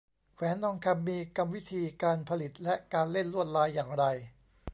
แหวนทองคำมีกรรมวิธีการผลิตและการเล่นลวดลายอย่างไร